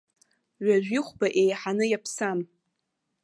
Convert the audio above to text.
Ҩажәи хәба еиҳаны иаԥсам.